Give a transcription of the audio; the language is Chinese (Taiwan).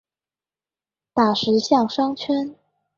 打石巷商圈